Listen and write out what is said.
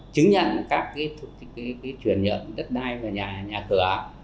chứng nhận các thủ tục chuyển dựng đất đai vào nhà cửa